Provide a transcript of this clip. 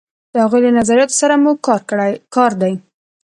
د هغوی له نظریاتو سره مو کار دی.